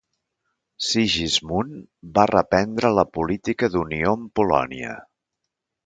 Sigismund va reprendre la política d'unió amb Polònia.